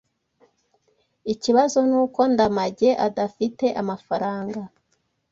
Ikibazo nuko Ndamage adafite amafaranga.